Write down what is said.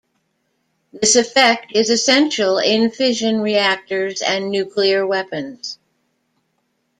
This effect is essential in fission reactors and nuclear weapons.